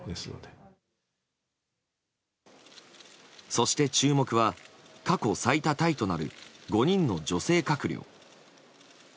そして注目は過去最多タイとなる５人の女性閣僚。